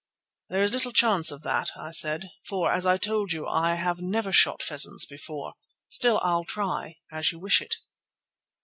"There is little chance of that," I said, "for, as I told you, I have never shot pheasants before. Still, I'll try, as you wish it."